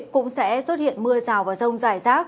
cũng sẽ xuất hiện mưa rào và rông dài rác